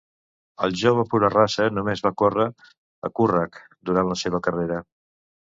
El jove pura raça només va córrer a Curragh durant la seva carrera.